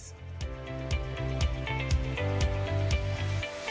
jangan kita berpikir bahwa kita sudah berjalan dengan baik